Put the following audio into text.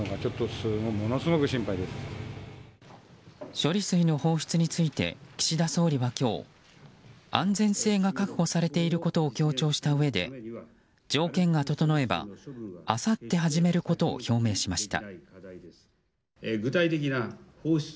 処理水の放出について岸田総理は今日安全性が確保されていることを強調したうえで条件が整えば、あさって始めることを表明しました。